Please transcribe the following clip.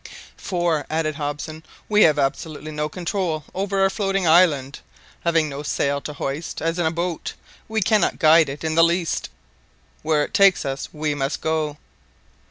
"For," added Hobson, "we have absolutely no control over our floating island. Having no sail to hoist, as in a boat, we cannot guide it in the least. Where it takes us we must go."